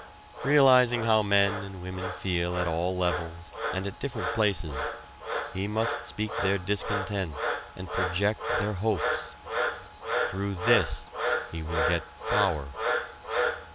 Realizing how men and women feel at all levels and at different places, he must speak their discontent and project their hopes. Through this he will get power.